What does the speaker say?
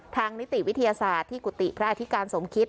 นิติวิทยาศาสตร์ที่กุฏิพระอธิการสมคิต